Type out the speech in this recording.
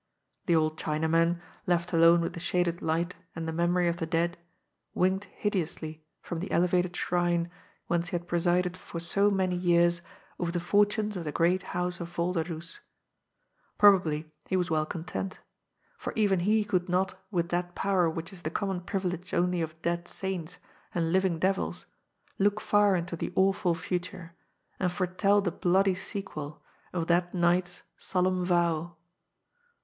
The old Chinaman, left alone with the shaded light and the memory of the dead, winked hideously from the elevated HBNDBIK'S TEMPTATION. 136 Bhrine whence he had presided for so many years over the fortunes of the great house of Volderdoes. Probably he was well content. For even he could not, with that power which is the common privilege only of dead saints and living devils, look far into the awful future, and foretell the bloody sequel of that night's solemn vow.